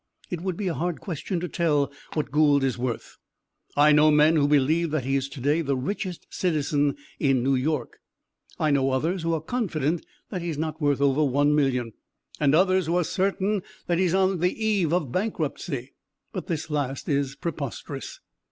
It would be a hard question to tell what Gould is worth. I know men who believe that he is to day the richest citizen in New York. I know others who are confident that he is not worth over one million, and others who are certain that he is on the eve of bankruptcy, but this last is preposterous.